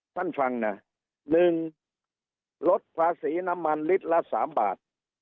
สั้นทางน่ะหนึ่งลดภาษีน้ำมันลิตรละสามบาท